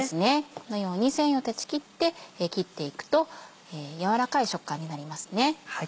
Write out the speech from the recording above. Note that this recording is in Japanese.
このように繊維を断ち切って切っていくと軟らかい食感になりますね。